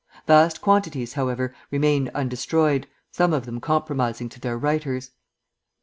Vast quantities, however, remained undestroyed, some of them compromising to their writers.